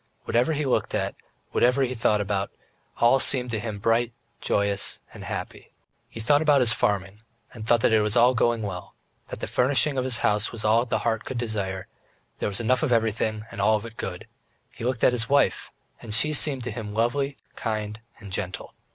Whatever he looked at, whatever he thought about, it all seemed to him bright, joyous, and happy. He thought about his farming, and thought that it was all going well, that the furnishing of his house was all the heart could desire there was enough of everything and all of it good; he looked at his wife, and she seemed to him lovely, kind, and gentle.